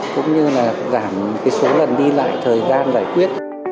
cũng như là giảm số lần đi lại thời gian giải quyết